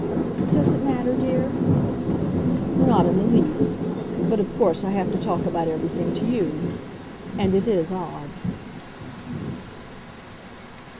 "Does it matter, dear?" "Not in the least. But of course I have to talk about everything to you; and it is odd."